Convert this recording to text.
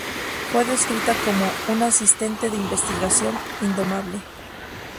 Fue descrita como una "asistente de investigación indomable".